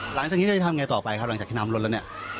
หลังจากนี้เราจะทำไงต่อไปครับหลังจากที่น้ำลดแล้วเนี่ย